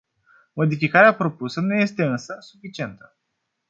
Modificarea propusă nu este, însă, suficientă.